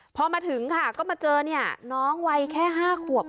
พอมาถึงค่ะก็มาเจอเนี่ยน้องวัยแค่๕ขวบ